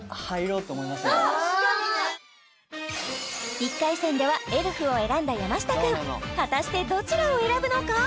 １回戦ではエルフを選んだ山下くん果たしてどちらを選ぶのか？